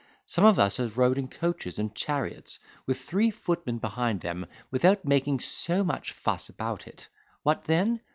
Some of us have rode in coaches and chariots, with three footmen behind them, without making so much fuss about it. What then?